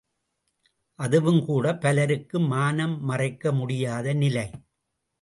அதுவும் கூட பலருக்கு மானம் மறைக்க முடியாத நிலை!